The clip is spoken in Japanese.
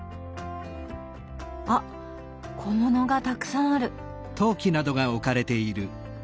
あっ小物がたくさんある。